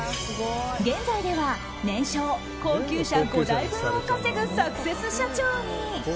現在では年商高級車５台分を稼ぐサクセス社長に。